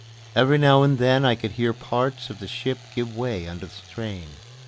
Every now and then I could hear parts of the ship give way under the strain.